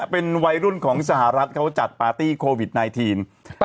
เป็นวัยรุ่นของสหรัฐเขาจัดปาร์ตี้โควิด๑๙